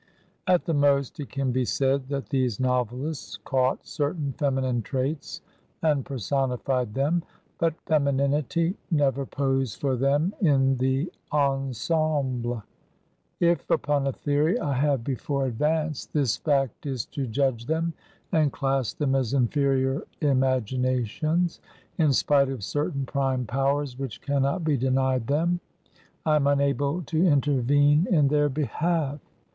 At the most it can be said that these novelists caught certain feminine traits and personified them ; but femininity never posed for them in the ensemble. If, upon a theory I have before advanced, this fact is to judge them and class them as inferior imaginations, in spite of certain prime powers which cannot be denied them, I am unable to intervene in their behalf.